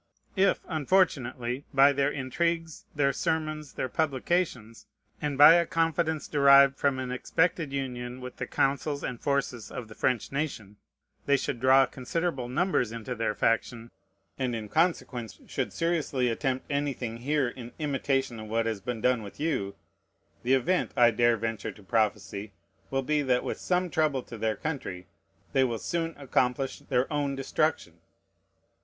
If, unfortunately, by their intrigues, their sermons, their publications, and by a confidence derived from an expected union with the counsels and forces of the French nation, they should draw considerable numbers into their faction, and in consequence should seriously attempt anything here in imitation of what has been done with you, the event, I dare venture to prophesy, will be, that, with some trouble to their country, they will soon accomplish their own destruction.